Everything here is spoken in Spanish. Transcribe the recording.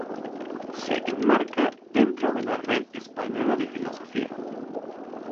Se enmarca dentro de la Red española de Filosofía.